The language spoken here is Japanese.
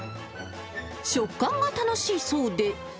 食感が楽しいそうで。